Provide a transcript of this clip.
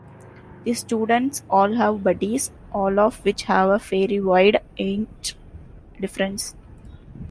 The students all have buddies, all of which have a fairly wide age difference.